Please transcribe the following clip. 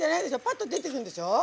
パッと出てくんでしょ？